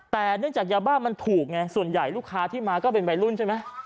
แต่เนื่องจากยาบ้ามันถูกไงส่วนใหญ่ลูกค้าที่มาก็เป็นวัยรุ่นใช่ไหม